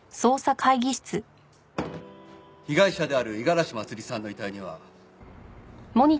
被害者である五十嵐まつりさんの遺体には。